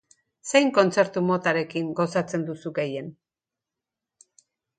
Zein kontzertu motarekin gozatzen duzu gehien?